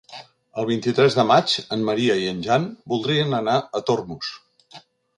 El vint-i-tres de maig en Maria i en Jan voldrien anar a Tormos.